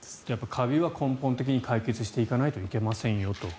カビは根本的に解決していかなきゃいけませんよと。